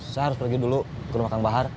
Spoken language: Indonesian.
saya harus pergi dulu ke rumah kang bahar